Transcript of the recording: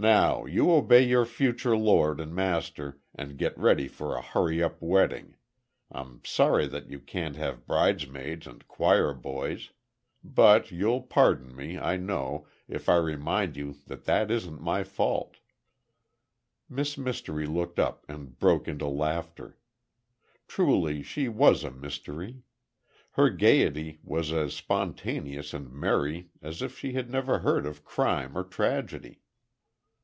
Now, you obey your future lord and master, and get ready for a hurry up wedding, I'm sorry that you can't have bridesmaids and choir boys—but, you'll pardon me, I know, if I remind you that that isn't my fault." Miss Mystery looked up and broke into laughter. Truly, she was a mystery! Her gayety was as spontaneous and merry as if she had never heard of crime or tragedy.